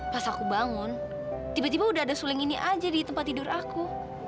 pas aku bangun tiba tiba udah ada suling ini aja di tempat tidur aku